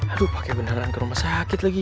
aduh pake benaran ke rumah sakit lagi